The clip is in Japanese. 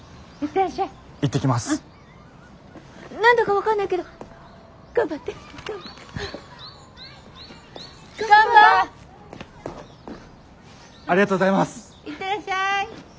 行ってらっしゃい。